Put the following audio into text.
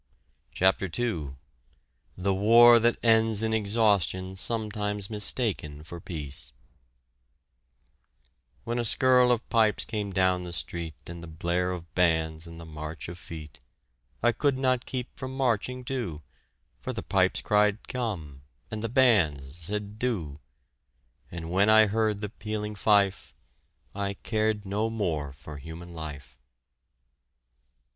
CHAPTER II THE WAR THAT ENDS IN EXHAUSTION SOMETIMES MISTAKEN FOR PEACE When a skirl of pipes came down the street, And the blare of bands, and the march of feet, I could not keep from marching, too; For the pipes cried "Come!" and the bands said "Do," And when I heard the pealing fife, I cared no more for human life!